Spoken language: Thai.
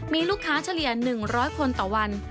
มีลูกค้าเฉลี่ย๑๐๐คนต่อวัน